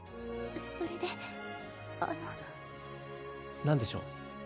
それであの何でしょう？